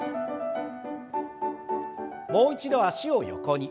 もう一度脚を横に。